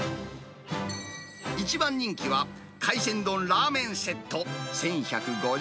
一番人気は、海鮮丼ラーメンセット１１５５円。